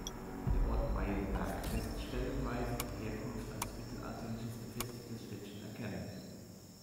Der Ort Meienberg lässt stellenweise die Herkunft als mittelalterliches befestigtes Städtchen erkennen.